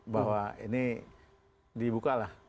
bahwa ini dibuka lah